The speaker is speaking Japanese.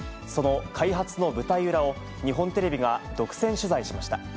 その開発の舞台裏を、日本テレビが独占取材しました。